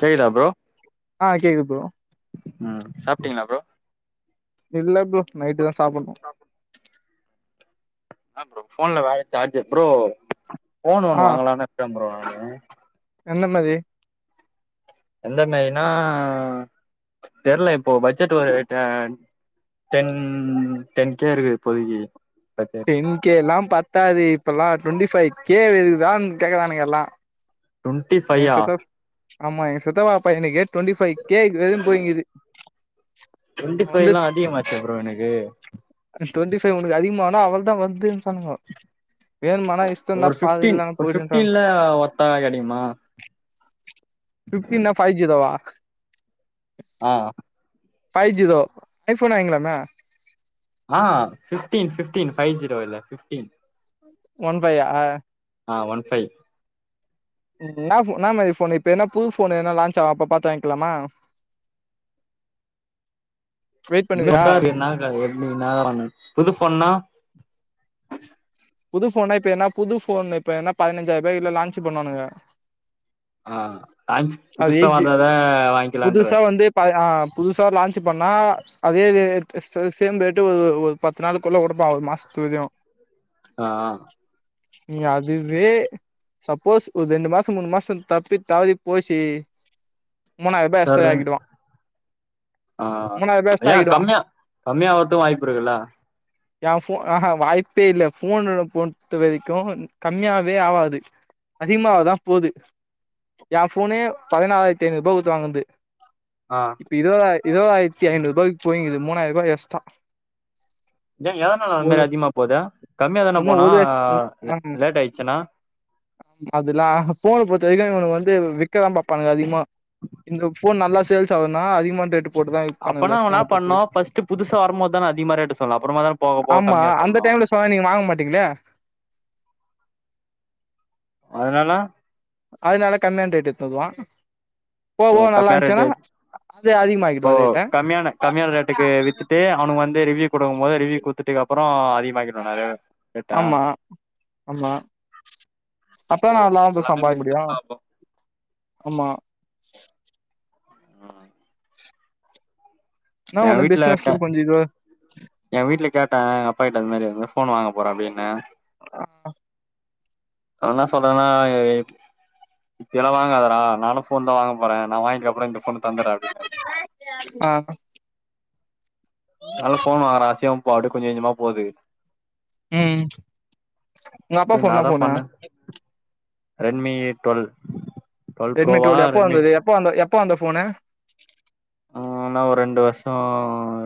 கேக்குதா ப்ரோ ஆ கேக்குது ப்ரோ ம் சாப்ட்டீங்களா ப்ரோ இல்ல ப்ரோ நைட்டு தா சாப்புன்னு ப்ரோ ஃபோன் ஒண்ணு வாங்கலான்னு இருக்கேன் ப்ரோ நானு எந்த மாரி எந்த மாரினா தெர்ல இப்போ பட்ஜெட் வேற ட டென் டென்கே இருக்குது இப்போதைக்கு பட் டென் கே எல்லா பத்தாது இப்பல்லா டுவெண்டி ஃபைவ் கே இருக்குதான் கேக்குறானுங்க எல்லா டுவெண்ட்டி என் ஃபையா சித்தப் ஆமா என் சித்தப்பா பையனுக்கே ட்வெண்டி ஃபை கே எதுன்னு போயிங்குது டுவெண்டி அவ ஃபைலா அதிகம் ஆச்சே ப்ரோ எனக்கு ட்வெண்ட்டி ஃபை உனக்கு அதிகமானா அவள்தா வர்து ப்பானுங்க வேணுமானா இஷ்ட இருந்தா பாரு இல்லனா போய்டுங்கன்றாங்க ஆ ஒ பதா கெடைக்குமா ஃபிஃப்டீன் நா ஃபைவ் ஜிரோ வா ஆ ஃபைவ் ஜிரோ ஐஃபோனே வாங்கிளாமே ஆ ஃபிஃப்டீன் ஃபிஃப்டீன் பைவ் ஜீரோ இல்ல ஃபிஃப்டீன் ஒன் ஃபையா ஆ ஒன் ஃபை ம் நா ஃபோ இன்னா மாரி ஃபோனு இப்ப என்ன புது ஃபோனு என்ன லான்ச் ஆகு அப்ப பாத்து வாங்கிக்கலாமா வெயிட் இவ்ளோ பண்ணுவியா வர்ஷ என்ன க என் என்னா வாங்கனு புது ஃபோன்னா புது ஃபோனா இப்ப என்னா புது ஃபோன் இப்ப என்னா பதினஞ்சாயிருபாய்கு இல்லா லான்ச் பண்ணுவானுங்க ஆ லான்ச் அது புதுசா வந்ததா வாங்கிக்கலான்ற ம் ஆ புதுசா லான்சு பண்ணா அதே சு சேம் ரேட்டு ஒரு ஒரு பத்து நாள்க்குள்ள கொடுப்பா ஒரு மாசத்லயு ஆ அ நீ அதுவே சப்போஸ் ஒரு ரெண்டு மாச மூணு மாச தப்பி தவரி போச்சு மூணாயிரூபா சர் எஸ்க்டா ஆக்கிடுவா ஆ மூணாயிரூபா எக்ஸ்ட்ரா ஏ ஆக்கிடுவா கம்மியா கம்மியாவது வாய்ப்பு இருக்குல்ல எ ஃபோ ஆஹா வாய்ப்பே இல்ல ஃபோனு பொத்த வரைக்கு கம்மியாவே ஆவாது அதிகமாவதா போது ஏ ஃபோனு பதினாலாயிரத்தி ஐநூறுபா கொத்து வாங்குது ஆ இருவதாய இருவயிரத்தி ஐநூருபாக்கு போயினுது மூனாயிருபா வெஸ்ட ஏ ஏதனால அது மாரி அதிகமா போது கம்மியா தானே உன்னு போனு ஒரு ஆ வருஷ அ ஆ லேட் ஆயிச்சுன்னா அதுல்லா ஃபோன பொறுத்த வரைக்கு இவனுக்கு வந்து விக்கதா பாப்பாங்க அதிகமா இந்த ஃபோன் நல்லா சேல்ஸ் ஆகுனா அதிகமான ரேட்டு போட்டுதா அப்பனா விப்பானுங்களே அவ என்னா ஃபோன பொறுத்த பண்ணோ வரைக்கு ஃபர்ஸ்ட் புதுசா வரும்போதான அதிகமா ரேட்டு சொல்னு அப்பறமா தான போக போக கம்மியா சொல்லணு அப்போனா நீங்க வாங்க மாட்டீங்களே அதுனால அதுனால கம்மியான ரேட் இத்துகுவா ஓ கம்மியா ரேட்டு அது ஓ அதிகமாக்கிடுவா ரேட்ட கம்மியான கம்மியான ரேட்டுக்கு வித்துட்டு அவனு வந் து ரிவ்யூ கொடுக்கும் போது ரிவ்யூ குடுத்துட்டுக்கு அப்புறோ அதிகமாக்கிவாங்க அது ஆமா ஆமா அப்ப ஓ தான நல்லாகு எல்லாமே சம்பாதிக்க முடியு பிசினஸ் தா அப்போ ஆமா நா எ ஒன்னே வீட்ல பிசினஸ்ல கொஞ்ச இது எ வீட்டுல கேட்ட எங்க அப்பா கிட்ட இந்த மாரி ஃபோன் வாங்க போறே அப்டின்னு ஆ அவர் என்னா சொல்றார்ன்னா இப் இப்போல்லா வாங்காதாரா நானு ஃபோன் தா வாங்க போறே நா வாங்கிட்ட அப்புற இந்த ஃபோனு தந்துறே அப்டின்னாரு ஆ அனால ஃபோன் வாங்குற ஆசையு பாட்டுக் கொஞ்ச கொஞ்சமா போது ம் உங்க அப்பா ட்ரு ஃபோன் நா என்ன தா ஃபோனு பண்ணு ரெட்மி டுவெல் டுவெல் ரெட்மி ப்ரோவா டுவல் எப்போ ரெட்மி வந்தது எப்ப வந்த எப்ப வந்த ஃபோனு ஆ ஆனா ஒரு ரெண்டு வருஷம்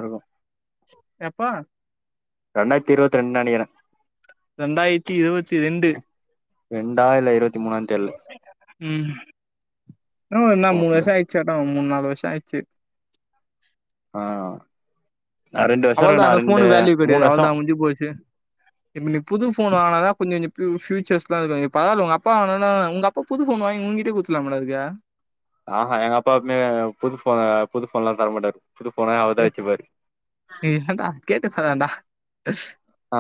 இருக்கு எப்பா ரெண்டாயித்தி இருவத்தி ரெண்டு நெனைக்கிறன் ரெண்டாயத்தி இருவத்தி ரெண்டு ரெண்டா இல்ல இருவத் உம் நோ என்னா மூணு ஃபோனு வருஷம் ஆயிச்சு ஆட்டம் மூணு நாலு வருஷம் ஆயிச்சு ஆ ரெண்டு வருஷ இருக்க நான் ரெண்டு மூணு வருஷம் முஞ்சிபோச்சே [unintelligible] இப்ப நீ புது போனு வாங்கனாதான் கொஞ்ச நஞ்ச ஃபியூச்சர்ஸ்ளா இருக்கு நீங்க பரவால்ல உங்க அப்பா [unintelligible] உங்க அப் இப்ப புது போன் வாங்கி உன்கிட்டயே குத்துலாமடா அதுக்கு ஆஹா எங்க அப்பா எப்மே புது போனு புது போன்ல்லா தர மாட்டாரு புது போன ஏ அவருதா வெச்சுப்பாரு நீ என்டா கேட்டு சொல்லேண்டா ஆ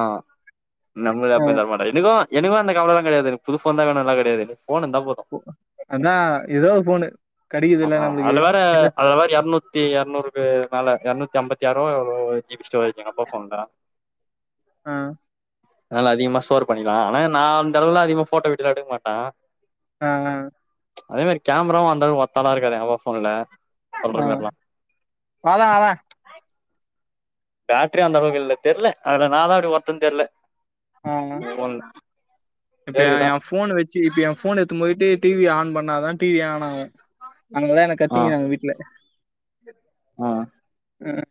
நம் அப்பா தரமாட் எனக்கு எனக்கு அந்த கவலா கெடையாது எனக் புது போன்தா வேணுண்ளா கெடையாது போன் இந்தா போது அதா ஏதோ ஒரு போனு ஆஹ அதுல வேற அதுல வேற எர்நூத் தி எர்நூறுக்கு மேல எர்நூத்தி அம்பத்தி ஆறோ ஜிபி [unintelligible] அப்பா போன்ல ஆஹ அதனால அதிகமா ஸோர் பண்ணிகலா ஆன நா அந்தளவுக்குளா அதிகமா போட்டோ வீட்டுல எடுக்க மாட்ட ஆ அதே மேரி கேமராவும் அந்தளவுகு ஒற்தாலா இருக்காது [unintelligible] போன்ல [unintelligible] வர வர பேட்ரி அந்த அளவுக்கு இல்ல தெர்ல அதுல நான்தான் அப்டி ஒர்த்துன் தெர்ல அந்த ஃபோன்ல [unintelligible] இப்ப பேருக்குதா என் போன் வெச் சி இப்ப என் போன் எத்துன் போய்ட்டு டிவி ஆன் பண்ணாதான் டிவி ஆன் ஆவு அதனாலதான் என்ன ஆ கத்தீங்கிறாங்க வீட் ல ஆ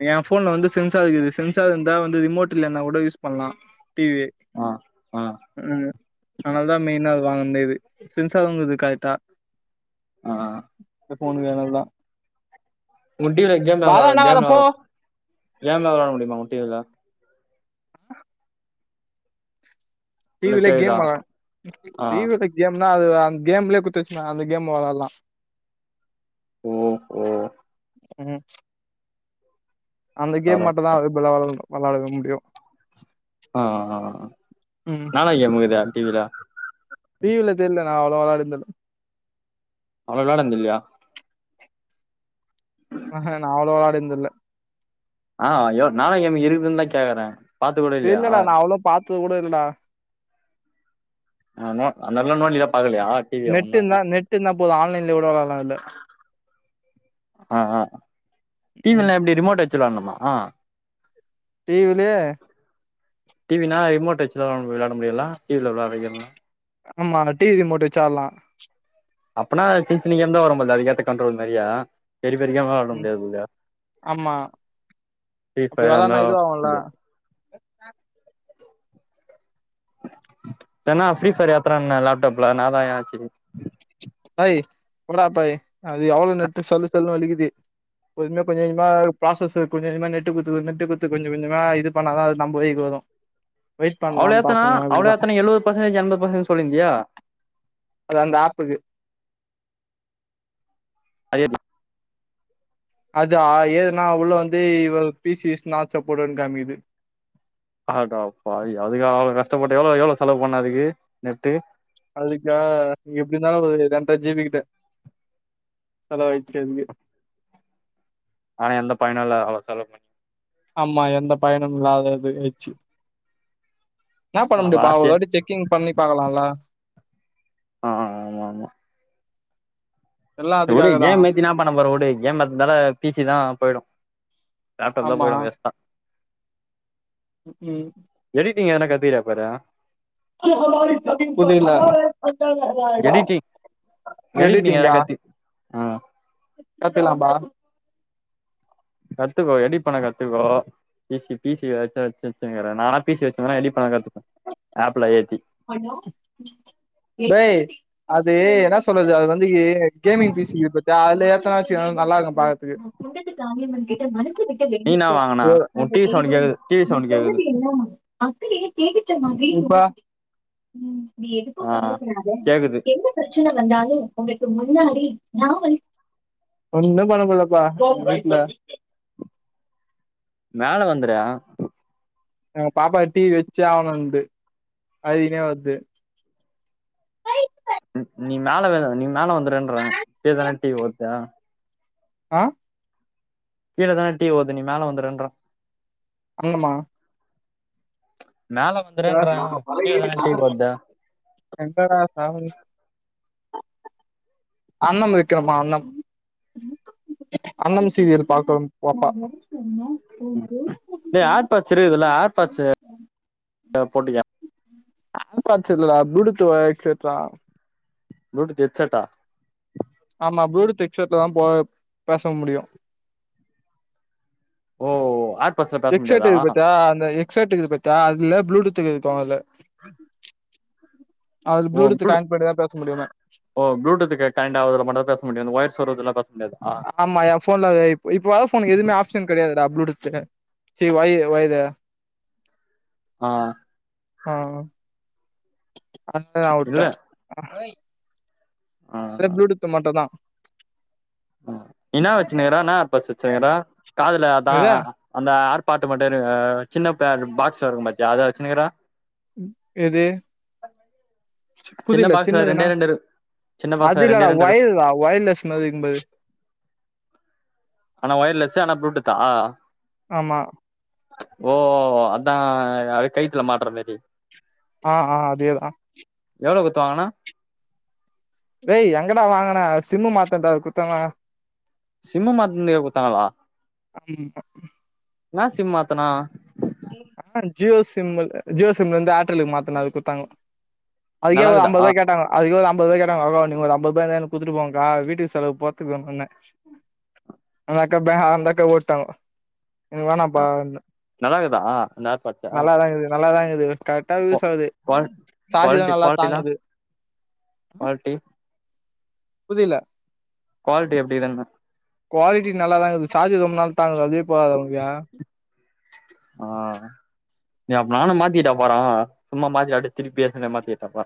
என் போன்ல வந்து சென்சார் கீது சென்சார் இருந்தா வந்து ரிமோட் இல்லன்னா கூட யூஸ் பண்லா டிவி ஆ ஆ ஹ அதனால தான் மெயினா அது வாங்கந்தே அது சென்சாருகீது கரெட்டா ஆ இந்த போன் வேனுல்லா உன் டிவில கேம்லா விள வேலன்னா வேல கேம்லா போ கேம்லா விளாட முடியுமா உ டிவில ச இல்ல டிவிலே கேக்குதா கேமா ஆ டிவியில கேம்னா அது அந்த கேம்லயே குத்துச்சுன்னா அந்த கேம் வெளளா ஓ ஓ ம் அந்த கேம் தரோ மட்டும்தா விளா விளாட முடியு ஆ ம் னா னா கேமுகீது டிவில டிவில தெர்ல நான் அவ்ளோவா விளாடிந்தேல்ல அவ்ளோ விளான்தில்லையா ஆஹ நான் அவ்ளோ விளாடிந்தில்லை ஆஹ அய்யோ நாளா கேம் இருக்குதுன்னு தான் கேக்குறேன் பாத்து கூட இல்லையா தெர்லடா நா அவ்ளோ பாத்தது கூட இல்லடா ஆ நோ அந்தெல்லா நோண்டில்லா பாக்கலையா டிவிய நெட் ஒண்ணு இருந்தா நெட் இருந்தா போது ஆன்லைன்லயே கூட வெளாடலா இதுல ஆ ஆ ம் டிவிலல்லா எப்டி ரிமோட் வச்சி வெளாடணுமா டிவிலயே டிவின்னா ரிமோட் வச்சிதா விளாடா முடியுல்ல டிவிலா விளாட்ற கேம் எல்லா ஆமா டிவி ரிமேட்டு வச்சி ஆடலா அப்பன்னா சின்ன சின்ன கேம்தா வரும் போலது அதுக்கேத்த கண்டரோல் மாறியா பெரிய பெரிய கேம்லா வெளாடா ம் முடியாது போலதே ஆமா ஃப்ரீ அப்டி ஃபயர் அந்த வெளாட்னா மாரி வெளாடா இதுவாகுல்ல முடியாது இத்தன்னா ஃப்ரீ ஃபயர் ஏத்துறேன்ன லாப்டாப்லா என்னதாய ஆச்சி ஒய் போங்கடா பாய் அது எவ்ளோ நெட்டு சல்லு சல்லுன்னு வழிக்கிது பொறுமையா கொஞ்ச கொஞ்சமா ப்ராசஸு கொஞ்ச கொஞ்சமா நெட்டு குட்த்து நெட்டு குட்த்து கொஞ்ச கொஞ்சமா இது பண்ணாதா அது நம்ப வழிக்கி வரு வெயிட் அவ்ளோ பண்லான்னு ஏத்துனா பாத்துங்க அவ்ள அப்டிதா ஏத்துனா எழுவது பர்சன்டேஜ் எண்பது பர்சன்டேஜ் சொல்லிந்தியே அது அந்த ஆப்புக்கு அது ஏத்தி அதா அது ஏத்துனா உள்ள வந்து யுவர் பிசி ஸ் நாட் சப்போர்ட்ன்னு காமிக்கிது அடப்பாவி அதுக்கா அவ்ளோ கஷ்டப்பட்ட எவ்ளோ எவ்ளோ செலவு பண்ண அதுக்கு நெட்டு அதுக்கா எப்டி இருந்தாலு ஒரு ரெண்ர ஜிபிக்கிட்ட செலவாய்ச்சி அதுக்கு ஆனா எந்த பயனு இல்ல அவ்ளோ செலவு பண்ணி ஆமா எந்த பயனும் இல்ல அத அத வச்சி என்னா பண்ண அவ முடியு பாவோ ஆசையா ஒரு வாட்டி செக் கிங் பண்ணி பாக்கலால்ல ஆ ஆமா ஆமா எல்லா செரி வுடு அதுக்காகதா கேம் ஏத்தி என்னா பண்ண போற வுடு கேம் ஏத்ததால பீசிதா போய்டு லேப்டாப் தா ஆமா போயிடு வேஸ்ட்டா ம் எடிடிங் ஏதுனா கத்துகிரயா பாரு புரில எடிட்டிங் எடிட்டிங் எதனா எடிட்டிங்கா கத்து ஆ கத்துகலாம்ப்பா கத்துக்கோ எடிட் பண்ண கத்துக்கோ ஈசி பீ சி வச்ச வச்சி வச்சின்னுக்கிற நானா பீ சி வச்சிருந்தன்னா எடிட் பண்ண கத்துக்க ஆப்ல ஏத்தி டேய் அது என்னா சொல்றது அது வந் இந்தையே கேமிங் பீ ஸி இருக்கு பாத்தியா அதுல ஏத்தனா வெச்சுக்குவே நல்லா இருக்கோ பாக்றதுக்கு நீ என்னா வாங்குன உ டி வி சவுண்ட் கேக்குது டி வி சவுண்ட் கேக்குது ப்ரோ ஆ கேக்குது எப்பா பிரச்சன வந்தாலு உங்களுக்கு முன்னாடி நா வந்து ஒன்னு பண்ண முடியலப்ப வீட்ல மேல வந்துறே எங்க பாப்பா டிவி வச்சே ஆவனுன்து அழுதுகின்னே வருது நீ மேல வே நீ மேல வந்துருன்றே கீழ தான டிவி ஓடுது ஆ கீழ தான டிவி ஓடுது நீ மேல வந்துருன்றே அண்ணனுமா மேல வந்துருன்றே கீழ தான டீவி ஓடுது எங்கடா சாமி அண்ணம் வெக்கனுமா அண்ணம் அண்ணம் சீரியல் பாக்கும் பாப்பா செரி இதுல ஆர்பட்ஸு போட்டு கேப் ஆர் பாட்ஸ் இல்லடா ப்ளூடூத் வ ஹெட்சட்டா ப்ளூடூத் ஹெட்சட்டா ஆமா புளூடூத் ஹெட்செட்ல தா போ பேச முடியு ஓ அ ஹெட்செட் இருக்கு பாத்தியா அந்த ஹெட்செட் இருக்கு பாத்தியா அதுல ப்ளூடூத்துக்கு இருக்கு அதுல அதுல ஓ ப்ளூடூத் ப்ளூ கனெக்ட் பண்ணிதா பேச முடியுமா ஓ ப்ளூடூத்துக்கு ஜாய்ன்ட் ஆகுற மாரி தா பேச முடியு அந்த ஒயர் சொருவருது ல பேச முடியாதா ஆமா எ ஃபோன்ல அது இப்போ இப்போ வர ஃபோனுக்கு எதுமே ஆப்ஷன் கெடையாதுடா ப்ளூடூத்துனு சரி வை வையது ஆ ஆ இல்ல அன்ற ஆ ப்ளூடூத் மட்டுந்தா என்னா வச்சுனுருகிற என்னா ஆர்பாட்ஸ் வச்சுனுகிற காதுல அதா என்னது அந்த ஆர் பாட்டு மட்டு ஆ சின்ன பேர் பாக்ஸ்ல இருக்கு பாத்தியா அதா வச்சுனுக்கிற எது சின்ன புதில பாக்ஸ்ல சின்னதுனா ரெண்டே ரெண்டு இரு சின்ன பாக்ஸ்ல அது ரெண்டே இல்லடா ரெண்டு இரு ஒயர் தா ஒயர்லெஸ் மாதி இருக்கும்பாரு [inaudible] ஆனா ஒயர்லெஸ்ஸு ஆனா ப்ளூடூத்தா ஆமா ஓ அதா அது கைத்துல மாட்ற மாதி ஆ ஆ அதேதா எவ்ளோ குத்து வாங்குன ஏய் எங்கடா வாங்குனே சிம்மு மாத்தனதா குத்தாங்க சிம்மு மாத்தனதே குத்தாங்கலா என்னா சிம்மு மாத்துனா ஜியோ சிம்மு ஜியோ சிம்ல இருந்து ஏர்டெலுக்கு மாத்துனே அதுக் குத்தாங்க அதுக்கே ஒரு நல்லாக்குதா ஐம்பது ருவா கேட்டாங்க அதுக்கே ஒரு அம்பதுருவா கேட்டாங்க அவ்ளோதா நீங்க ஒரு அம்பது ருபா இருந்தா எனக்கு குத்துட்டு போங்க்கா வீட்டுக்கு செலவுக்கு போறத்துக்கு வேனுனே அந்தக்கா பே அந்தக்கா ஓட்டாங்கோ எனக்கு வேணாப்பான்னு நல்லா இக்குதா அந்த ஏர்பாட்ஸு நல்லாதா இகுது நல்லாதா இகுது கரெக்டா கொ யூஸ் ஆகுது குவால் சாஜுலா நல்லா தாங்குது குவால்டி புதில குவால்ட்டி எப்டி தானே குவாலிட்டி நல்லாதா இகுது சாஜு ரொம்ப நாள் தாங்குது அதுவே போதாதா ஒனக்கு ஆ அப்ப நானு மாத்திட்டா போறே சும்மா மாத்திட்டு அப்டியெ திருப்பி ஏத்தினே மாத்திட்டாபா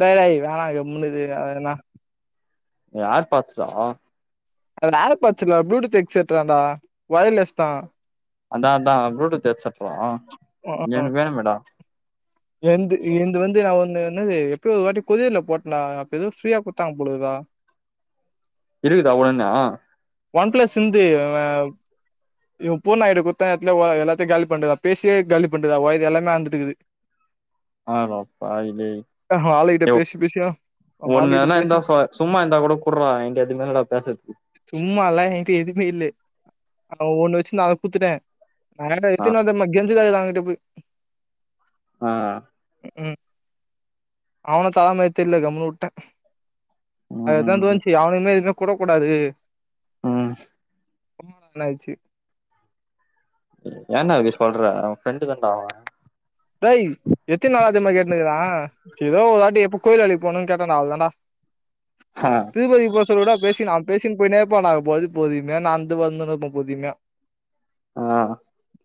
டேடேய் வேணா கம்முனு இரு அது வேணா ஏர் பாட்ஸ்டா அது ஏர்பாட்ஸ் இல்லடா ப்ளூடூத் எக்செட்தான்டா ஒயர்லெஸ் தா அதா அதா ப்ளூடூத் எச்சட்றா ம் எனக்கு வேணுமேடா என்து என்து வந்து நா ஒன்னு என்னது எப்பயோ ஒரு வாட்டி கொரியர்ல போட்டன்டா அப்ப எதோ ஃப்ரீயா குத்தாங்க போலருக்குடா இருக்குதா ஒழுனா ஒன் பிளஸ் சின்து அவெ இவெ பூனா என்ட குத்தா எத்துல வ எல்லாத்தையு காலி பண்றதா பேசியே காலி பண்றதா வயரு எல்லாமே அந்துட்டுக்குது ஆரோ பாவி ஏய் அவங்க ஆளுகிட்ட யோவ் பேசி பேசியா அவங்க ஒண்ணு ஆளுகிட்ட வேணா இந்தா பேசி ஃபா சும்மா இருந்தா கூட குற்றா ஏன்ட எதுமே இல்லடா பேசறதுக்கு சும்மா எல்லா என்ட்டு எதுவுமே இல்லை அவ ஒண்ணு வச்சு நான் குத்துட்டேன் ஆ ந கெஞ்சத தான்ங்கிட்ட போய் ம் உம் அவன தரமார் தெர்ல கம்னு உட்ட ம் அதுதான் ம் தோணுச்சு அவனையுமே எதுவுமே குடுக் கூடாது ம் என்னாச்சு ஏடா இப்டி சொல்ற அவன் ஃப்ரெண்டு தான்டா அவ டேய் எத்த நாள இதெமாரி கேட்டுன்னக்குரேன் ஏதோ ஒருவாட்டி எப்போ கோயில் வேலைக்கு போனும்னு கேட்டே அவள தான்டா ஆஹ் திருப்பதி போ சொல்ல கூட பேசி நான் பேசின்னு போய்னெ இப்பெ நா அது போதுமையா நந்து வந்துனு இர்பே பொதுமையே ஆ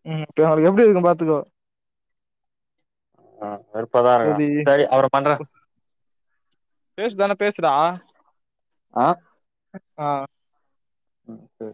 ம் ப அது எப்டி இருக்கும் பாத்துக்கோ ம் ஆ வெறுப்பாதா இருக்கு போதி சரி அப்றோ பண்றே பேசுதான பேசுடா ஆ ஆ ம் சரி